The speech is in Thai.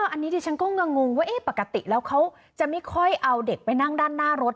อันนี้ดิฉันก็งงว่าปกติแล้วเขาจะไม่ค่อยเอาเด็กไปนั่งด้านหน้ารถ